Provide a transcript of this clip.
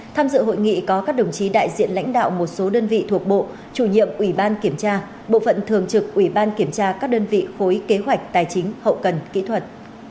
tham dự hội nghị có các đồng chí đại diện lãnh đạo một số đơn vị thuộc bộ chủ nhiệm ủy ban kiểm tra bộ phận thường trực ủy ban kiểm tra các đơn vị khối kế hoạch tài chính hậu cần kỹ thuật